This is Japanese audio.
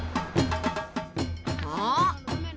あっ。